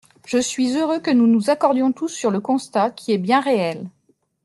Je suis heureux que nous nous accordions tous sur le constat, qui est bien réel.